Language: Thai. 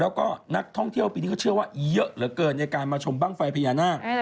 แล้วก็นักท่องเที่ยวปีนี้เขาเชื่อว่าเยอะเหลือเกินในการมาชมบ้างไฟพญานาค